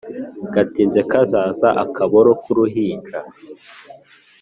Gatinze kazaza-Akaboro k'uruhinja.